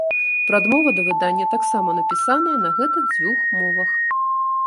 Прадмова да выдання таксама напісаная на гэтых дзвюх мовах.